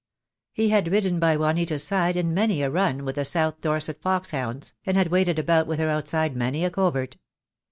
He had ridden by Juanita's side in many a run with the South Dorset foxhounds, and had waited about with her outside many a covert.